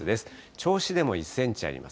銚子でも１センチあります。